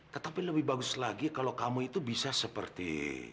tetapi lebih bagus lagi kalau kamu itu bisa seperti